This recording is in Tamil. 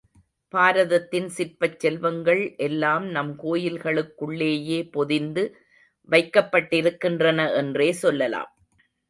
பாரதத்தின் சிற்பச் செல்வங்கள் எல்லாம் நம் கோயில்களுக்குள்ளேயே பொதிந்து வைக்கப்பட்டிருக்கின்றன என்றே சொல்லலாம்.